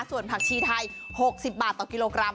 ส่วนผักชีไทย๖๐บาทต่อกิโลกรัม